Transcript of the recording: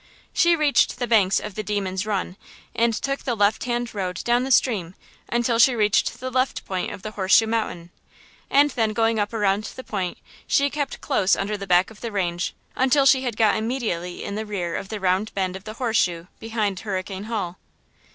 She reached the banks of the "Demon's Run," and took the left hand road down the stream until she reached the left point of the Horse Shoe Mountain, and then going up around the point, she kept close under the back of the range until she had got immediately in the rear of the round bend of the "Horse Shoe," behind Hurricane Hall.